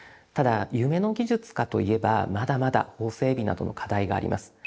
ただ夢の技術かと言えばまだまだ法整備などの課題があります。